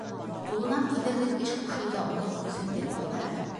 Ҡулынан килерлек эш ҡушыу ҙа уны үҫендереп ебәрә.